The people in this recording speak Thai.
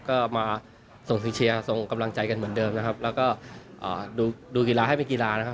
ก็มาส่งเสียงเชียร์ส่งกำลังใจกันเหมือนเดิมนะครับแล้วก็ดูกีฬาให้เป็นกีฬานะครับ